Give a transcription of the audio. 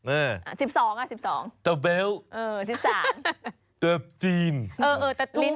เอ่อแต่ตู๒๐๒๐แล้วอะไร